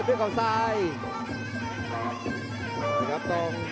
โอ้โหไม่พลาดกับธนาคมโด้แดงเขาสร้างแบบนี้